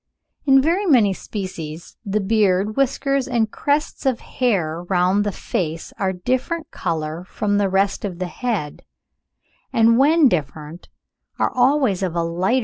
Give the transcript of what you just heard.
In very many species, the beard, whiskers, and crests of hair round the face are of a different colour from the rest of the head, and when different, are always of a lighter tint (45.